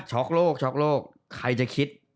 ช็อกโลกใครจะคิด